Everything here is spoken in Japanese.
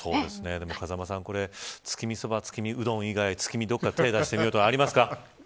でも風間さん月見そば、月見うどん以外月見、どこか手を出してみようとかありますか。